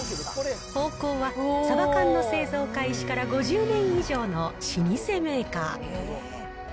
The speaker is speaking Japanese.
宝幸はサバ缶の製造開始から５０年以上の老舗メーカー。